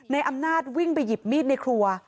ในอำนาจวิ่งไปหยิบมีดในครัว